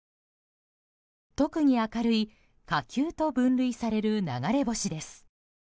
特に明るい火球と分類される流れ星です。